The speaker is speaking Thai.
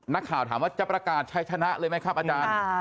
นักข่าวถามว่าจะประกาศใช้ชนะเลยไหมครับอาจารย์